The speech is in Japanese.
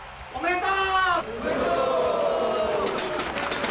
おめでとう。